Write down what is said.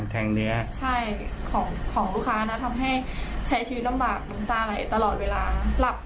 แทงเนื้อใช่ของของลูกค้านะทำให้ใช้ชีวิตลำบากน้ำตาไหลตลอดเวลาหลับ